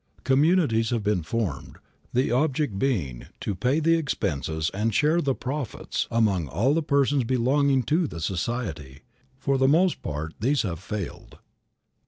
Communities have been formed, the object being to pay the expenses and share the profits among all the persons belonging to the society. For the most part these have failed.